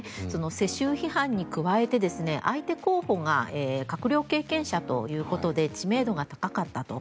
世襲批判に加えて、相手候補が閣僚経験者ということで知名度が高かったと。